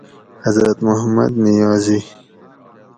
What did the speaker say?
حضرت محمد نیازی